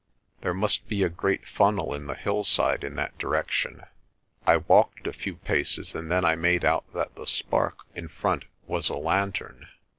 There must be a great funnel in the hillside in that direction. I walked a few paces and then I made out that the spark in front was a lantern.